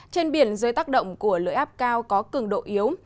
trên biển dưới tác động của lưỡi áp cao có cường độ yếu